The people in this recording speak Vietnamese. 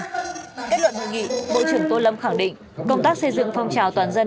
kết luận hội nghị bộ trưởng tô lâm khẳng định công tác xây dựng phong trào toàn dân